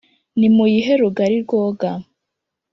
nimuyihe rugari rwoga